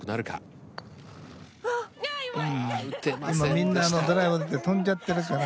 みんなドライバー飛んじゃってるから。